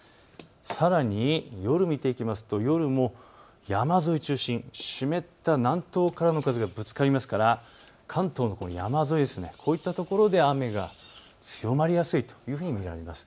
さらに夜を見ていくと山沿いを中心に湿った南東からの風がぶつかるので関東の山沿い、こういったところで雨が強まりやすいと見られます。